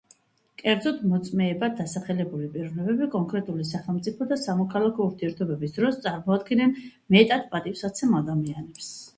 კერძოდ, „მოწმეებად“ დასახელებული პიროვნებები კონკრეტული სახელმწიფო და სამოქალაქო ურთიერთობის დროს წარმოადგენდნენ „მეტად პატივსაცემ ადამიანებს“.